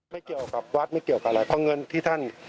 ไม่เกี่ยวกับวัดไม่เกี่ยวกับอะไรเพราะเงินที่ท่าน